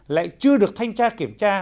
lại chưa được thanh tra kiểm tra